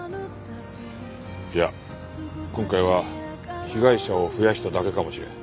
いや今回は被害者を増やしただけかもしれん。